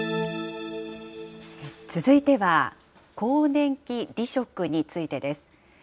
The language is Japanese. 続いては、更年期離職についてです。